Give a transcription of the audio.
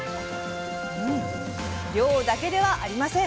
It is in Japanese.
量だけではありません！